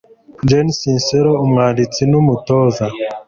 Jen Sincero, umwanditsi n'umutoza